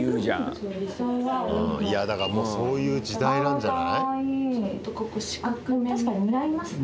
いやだからもうそういう時代なんじゃない？